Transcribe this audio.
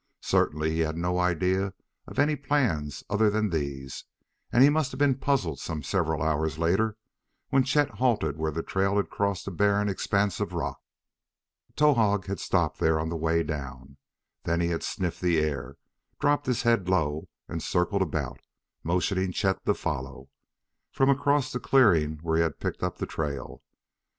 Certainly he had no idea of any plans other than these, and he must have been puzzled some several hours later when Chet halted where the trail had crossed a barren expanse of rock. Towahg had stopped there on the way down. Then he had sniffed the air, dropped his head low and circled about, motioning Chet to follow, from across the clearing where he had picked up the trail.